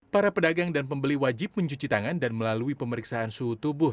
para pedagang dan pembeli wajib mencuci tangan dan melalui pemeriksaan suhu tubuh